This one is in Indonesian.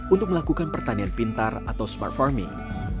untuk melakukan pertanian pintar atau smart farming